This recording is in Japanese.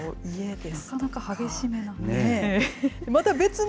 なかなか激しめの。